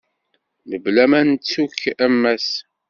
Mebla ma nettu-k a Mass.